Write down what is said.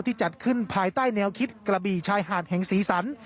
จัดขึ้นภายใต้แนวคิดกระบี่ชายหาดแห่งสีสัน